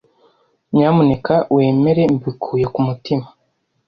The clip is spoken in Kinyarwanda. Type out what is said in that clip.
Nyamuneka wemere mbikuye ku mutima.